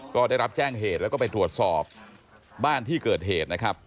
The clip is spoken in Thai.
ก็ได้รับแจ้งเหตุแล้วก็ไปตรวจสอบบ้านที่เกิดเหตุนะครับ